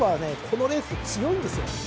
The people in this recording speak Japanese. このレース強いんですよ。